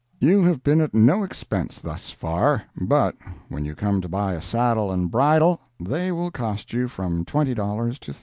You have been at no expense thus far, but when you come to buy a saddle and bridle they will cost you from $20 to $35.